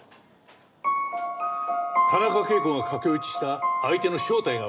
田中啓子が駆け落ちした相手の正体がわかった。